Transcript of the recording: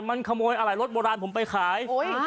มันขโมยอะไรรถโบราณผมไปขาย